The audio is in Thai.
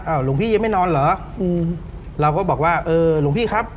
หลวงพี่ยังไม่นอนเหรออืมเราก็บอกว่าเออหลวงพี่ครับ